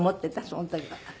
その時は。